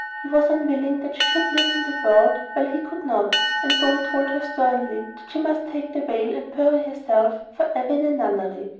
He was unwilling that she should live in the world while he could not; and so he told her sternly that she must take the veil and bury herself for ever in a nunnery.